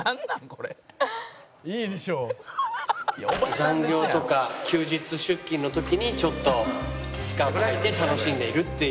残業とか休日出勤の時にちょっとスカートはいて楽しんでるっていう。